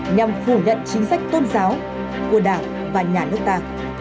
nhằm phủ nhận chính sách tôn giáo của đảng và nhà nước ta